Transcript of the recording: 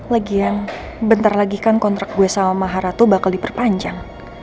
lagian bentar lagi kan kontrak gue sama maharatu bakal diperpanjang